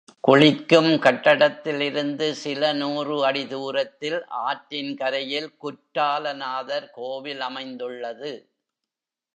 குளிக்கும் கட்டத்திலிருந்து சில நூறு அடி தூரத்தில், ஆற்றின் கரையில் குற்றால நாதர் கோவிலமைந்துள்ளது.